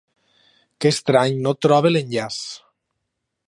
Que estrany, no trobo l'enllaç!